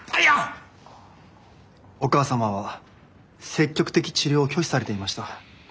お母様は積極的治療を拒否されていました。